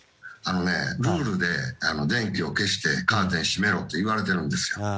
ルールで電気を消してカーテンを閉めろと言われているんですよ。